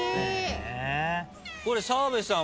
これ澤部さん